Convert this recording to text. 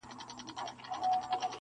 • ټولنه د درد ريښه جوړوي تل..